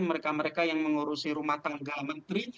mereka mereka yang mengurusi rumah tangga menteri